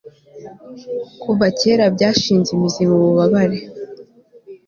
Kuva kera byashinze imizi mububabare